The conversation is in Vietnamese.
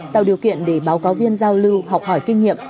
tạo điều kiện để báo cáo viên giao lưu học hỏi kinh nghiệm